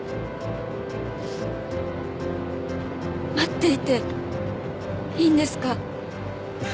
待っていていいんですか？